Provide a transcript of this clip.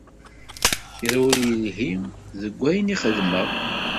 Kra ur yelhi deg wayen i xedmeɣ.